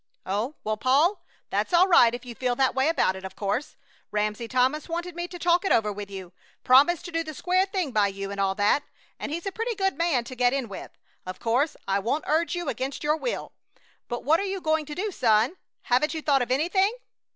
"Oh, well, Paul, that's all right if you feel that way about of it, of course. Ramsey Thomas wanted me to talk it over with you; promised to do the square thing by you and all that; and he's a pretty good man to get in with. Of course I won't urge you against your will. But what are you going to do, son? Haven't you thought of anything?"